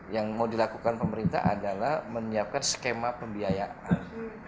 yang mau dilakukan pemerintah adalah menyiapkan skema pembiayaan